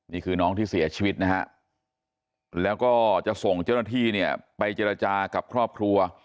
นี่คือน้องที่เสียชีวิตนะฮะแล้วก็จะส่งเจ้าหน้าที่เนี่ยไปเจรจากับครอบครัว